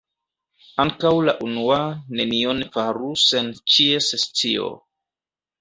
Ankaŭ la unua nenion faru sen ĉies scio.